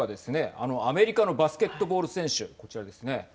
あのアメリカのバスケットボール選手こちらですね。